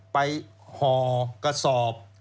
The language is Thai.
ไปหอกสอบ